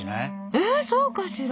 ええそうかしら？